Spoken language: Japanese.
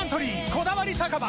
「こだわり酒場